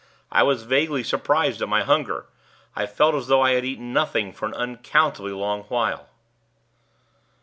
I was vaguely surprised at my hunger. I felt as though I had eaten nothing for an uncountably long while.